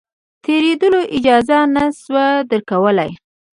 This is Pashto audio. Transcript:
تېرېدلو اجازه نه شو درکولای.